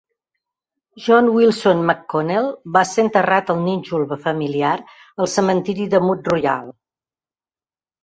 John Wilson McConnell va ser enterrat al nínxol familiar al cementiri de Mount Royal.